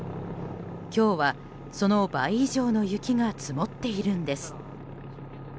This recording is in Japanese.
今日は、その倍以上の雪が積もっているんです。